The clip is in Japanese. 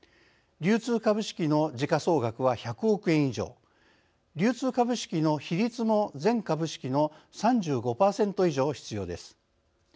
流通株式の時価総額は１００億円以上流通株式の比率も全株式の３５％以上必要です。